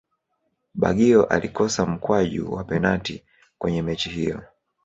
baggio alikosa mkwaju wa penati kwenye mechi hiyo